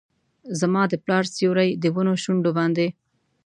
زما د پلار سیوري ، د ونو شونډو باندې